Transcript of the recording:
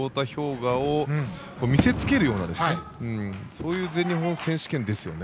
雅を見せ付けるようなそういう全日本選手権ですよね